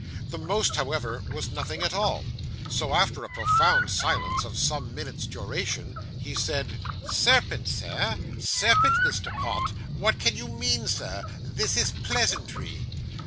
The most, however, was nothing at all; so, after a profound silence of some minutes' duration, he said, 'Serpent, Sir! Serpent, Mr. Pott! What can you mean, Sir? this is pleasantry.